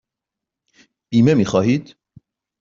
بیمه می خواهید؟